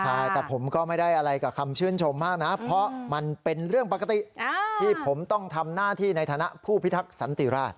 ใช่แต่ผมก็ไม่ได้อะไรกับคำชื่นชมมากนะเพราะมันเป็นเรื่องปกติที่ผมต้องทำหน้าที่ในฐานะผู้พิทักษันติราช